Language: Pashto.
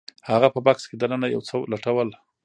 هغه په بکس کې دننه یو څه لټول